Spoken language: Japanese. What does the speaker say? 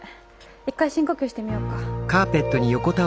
一回深呼吸してみようか。